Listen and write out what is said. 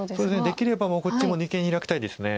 できればこっちも二間にヒラきたいです。